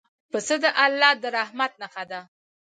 پسه د الله د رحمت نښه ده.